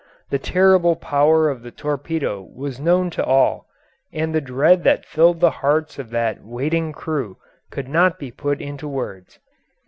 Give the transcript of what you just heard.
The terrible power of the torpedo was known to all, and the dread that filled the hearts of that waiting crew could not be put into words.